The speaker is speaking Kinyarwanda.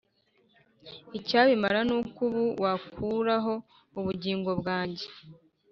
Icyabimara ni uko ubu wakuraho ubugingo bwanjye